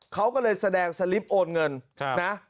เขาก็เลยแสดงสลิปโอนเงินนะ